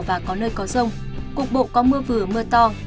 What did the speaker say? phía bắc có nơi có rông cục bộ có mưa vừa mưa to